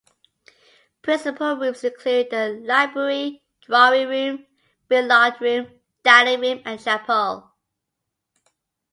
Principal rooms include the Library, Drawing Room, Billiard Room, Dining Room and Chapel.